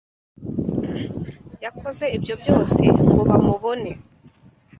yakoze ibyo byose ngo bamubone